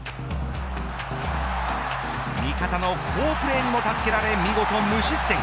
味方の好プレーにも助けられ見事無失点。